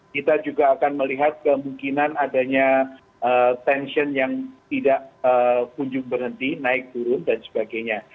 kita juga akan melihat kemungkinan adanya tension yang tidak kunjung berhenti naik turun dan sebagainya